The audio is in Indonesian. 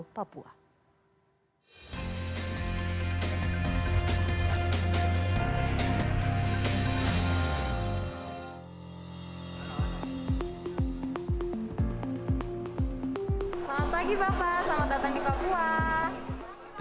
selamat pagi bapak selamat datang di papua